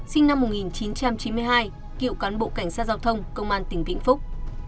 sinh năm một nghìn chín trăm chín mươi hai cựu cán bộ cảnh sát giao thông công an tỉnh vĩnh phúc